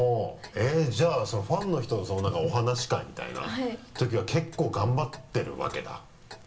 えっじゃあファンの人とお話し会みたいなときは結構頑張ってるわけだ？